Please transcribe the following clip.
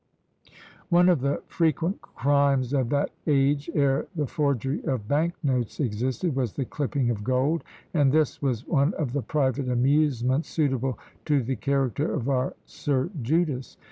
One of the frequent crimes of that age, ere the forgery of bank notes existed, was the clipping of gold; and this was one of the private amusements suitable to the character of our Sir Judas.